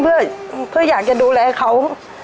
เพื่ออยากจะดูแลเขา